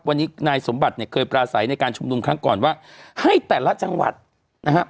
วันนี้นายสมบัติเนี่ยเคยปราศัยในการชุมนุมครั้งก่อนว่าให้แต่ละจังหวัดนะฮะ